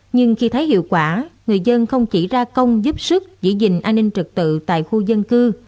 nhưng khi thấy hiệu quả người dân không chỉ ra công giúp sức giữ gìn an ninh trực tự tại khu dân cư